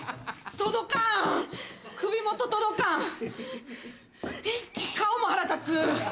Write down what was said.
届かん首元届かんエッ顔も腹立つ